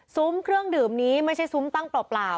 เครื่องดื่มนี้ไม่ใช่ซุ้มตั้งเปล่า